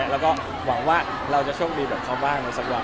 แล้วก็หวังว่าเราจะโชคดีแบบเขาบ้างในสักอย่าง